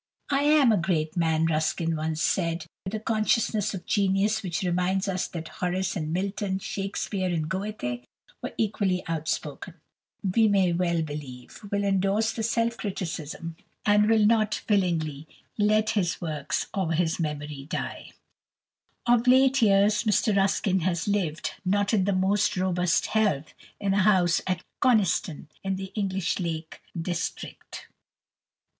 "I am a great man," Ruskin once said, with a consciousness of genius which reminds us that Horace and Milton, Shakspere and Goethe were equally outspoken. Posterity, we may well believe, will endorse the self criticism, and will not willingly let his works or his memory die. Of late years Mr Ruskin has lived, not in the most robust health, in a house at Coniston, in the English Lake District.